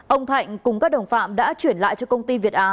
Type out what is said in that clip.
ông thạnh cùng các đồng phạm đã chuyển lại cho công ty việt á